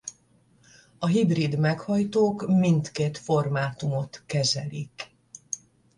A hibrid meghajtók mindkét formátumot kezelik.